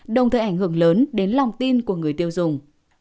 đồng thời ảnh hưởng lớn đến lòng tin của người tiêu dùng